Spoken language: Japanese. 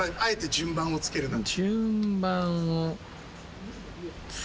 順番をつくるなら。